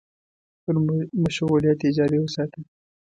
خپل مشغولیت يې جاري وساته.